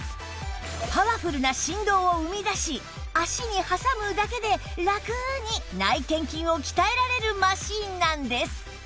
パワフルな振動を生み出し脚に挟むだけでラクに内転筋を鍛えられるマシーンなんです